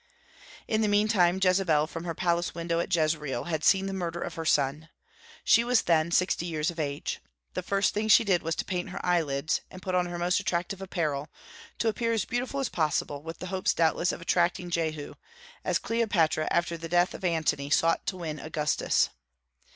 In the mean time, Jezebel from her palace window at Jezreel had seen the murder of her son. She was then sixty years of age. The first thing she did was to paint her eyelids, and put on her most attractive apparel, to appear as beautiful as possible, with the hope doubtless of attracting Jehu, as Cleopatra, after the death of Antony, sought to win Augustus.